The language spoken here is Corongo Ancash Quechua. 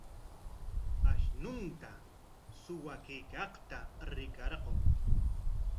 Akshunta suwakuykaqta rikarqun.